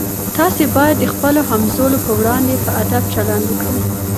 تاسي باید د خپلو همزولو په وړاندې په ادب چلند وکړئ.